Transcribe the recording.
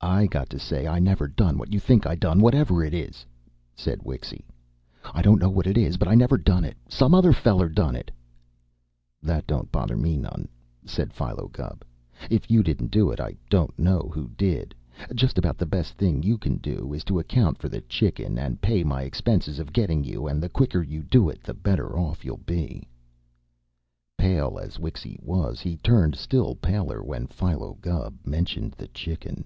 "I got to say I never done what you think I done, whatever it is," said Wixy. "I don't know what it is, but I never done it. Some other feller done it." "That don't bother me none," said Philo Gubb. "If you didn't do it, I don't know who did. Just about the best thing you can do is to account for the chicken and pay my expenses of getting you, and the quicker you do it the better off you'll be." Pale as Wixy was, he turned still paler when Philo Gubb mentioned the chicken.